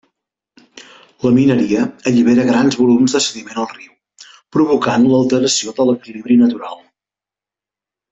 La mineria allibera grans volums de sediment al riu, provocant l'alteració de l'equilibri natural.